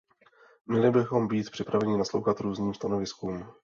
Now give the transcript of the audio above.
Měli bychom být připraveni naslouchat různým stanoviskům.